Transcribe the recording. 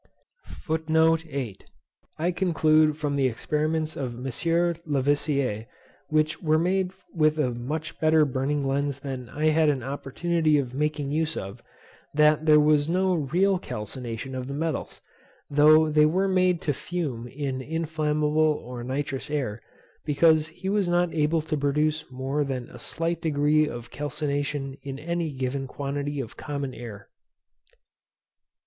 FOOTNOTES: I conclude from the experiments of M. Lavoisier, which were made with a much better burning lens than I had an opportunity of making use of, that there was no real calcination of the metals, though they were made to fume in inflammable or nitrous air; because he was not able to produce more than a slight degree of calcination in any given quantity of common air.